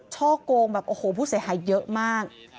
ช่อกลงผู้เสียหายเยอะมาก